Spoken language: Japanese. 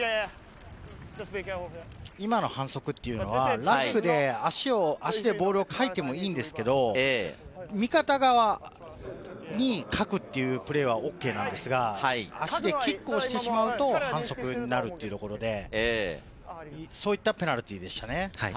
今の反則は足でボールをかいてもいいんですけれど、味方側に、かくというプレーはＯＫなんですが、足でキックをしてしまうと反則になるというところで、そういったペナルティーでしたね。